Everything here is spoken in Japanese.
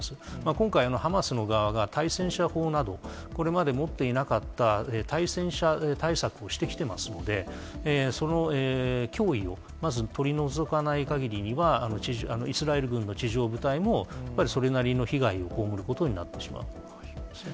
今回、ハマスの側が対戦車砲など、これまで持っていなかった対戦車対策をしてきてますので、その脅威をまず、取り除かないかぎりには、イスラエル軍の地上部隊も、やっぱり、それなりの被害を被ることになってしまうということですね。